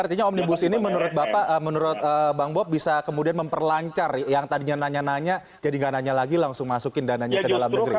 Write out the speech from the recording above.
artinya omnibus ini menurut bapak menurut bang bob bisa kemudian memperlancar yang tadinya nanya nanya jadi nggak nanya lagi langsung masukin dananya ke dalam negeri